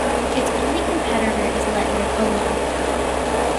Its only competitor is Leitner-Poma.